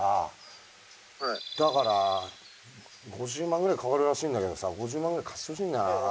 だから５０万ぐらいかかるらしいんだけどさ５０万ぐらい貸してほしいんだよな。